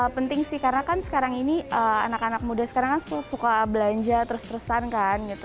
penting sih karena kan sekarang ini anak anak muda sekarang kan suka belanja terus terusan kan gitu